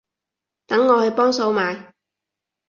等我去幫手買